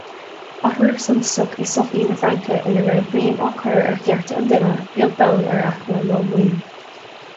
Athrú suntasach i sochaí na Fraince ina raibh béim á cur ar chearta an duine, beag beann ar aicme ná maoin.